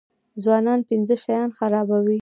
ځوانان پنځه شیان خرابوي.